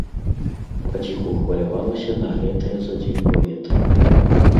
Паціху хвалявалася нагрэтае за дзень паветра.